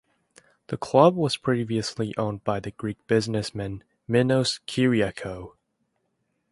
The club was previously owned by the Greek businessman Minos Kyriakou.